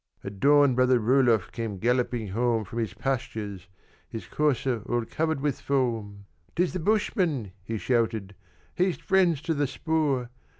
"At dawn brother Roelof came galloping home From the pastures his courser all covered with foam; ''Tis the Bushmen!' he shouted; 'haste friends to the spoor!